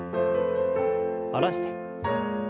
下ろして。